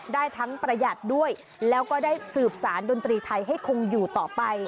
ได้ทั้งประหยัดด้วยแล้วก็ได้สืบสารดนตรีไทยให้คงอยู่ต่อไป